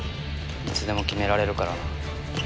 いつでも決められるからなあ